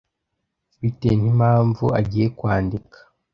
bitewe n’impamvu agiye kwandika.